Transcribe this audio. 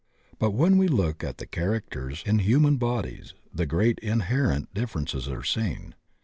But when we look at the characters in human bodies, great in herent differences are seen.